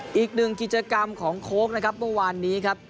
อีกหนึ่งกิจกรรมของโค้กนะครับเมื่อวานนี้ครับ